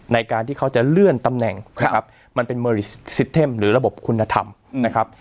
ในการที่เขาจะเลื่อนตำแหน่งครับมันเป็นหรือระบบคุณธรรมนะครับ